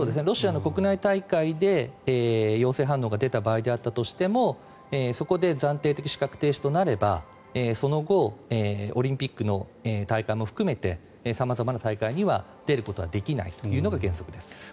ロシアの国内大会で陽性反応が出た場合であったとしてもそこで暫定的資格停止となればその後、オリンピックの大会も含めて様々な大会には出ることができないというのが原則です。